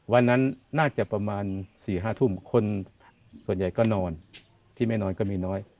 วันนั้นน่าจะประมาณ๔๕ทุ่มคนส่วนใหญ่ก็นอนที่ไม่นอนก็มีน้อย